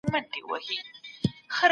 زکات ورکول ټولنيز مسؤليت دی.